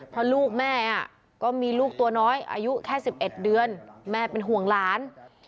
เพราะลูกแม่ก็มีลูกตัวน้อยอายุแค่๑๑เดือนแม่เป็นห่วงหลาน